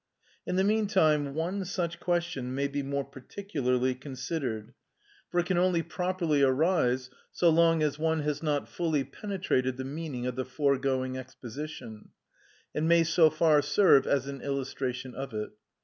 In the meantime one such question may be more particularly considered, for it can only properly arise so long as one has not fully penetrated the meaning of the foregoing exposition, and may so far serve as an illustration of it.